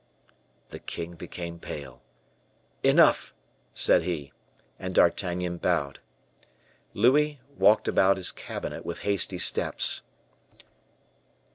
The king became pale. "Enough!" said he; and D'Artagnan bowed. Louis walked about his cabinet with hasty steps.